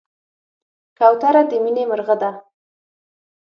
کوتره د مینې مرغه ده.